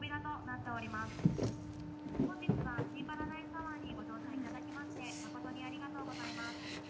本日はシーパラダイスタワーにご乗車いただきまして誠にありがとうございます。